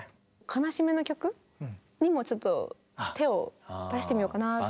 悲しみの曲？にもちょっと手を出してみようかなって。